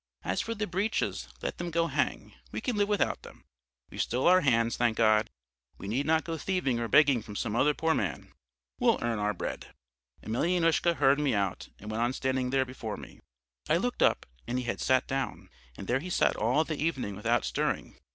As for the breeches, let them go hang; we can live without them. We've still our hands, thank God; we need not go thieving or begging from some other poor man; we'll earn our bread.' "Emelyanoushka heard me out and went on standing there before me. I looked up, and he had sat down. And there he sat all the evening without stirring.